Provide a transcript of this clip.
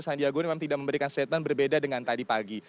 sandiago ini memang tidak memberikan statement berbeda dengan tadi pagi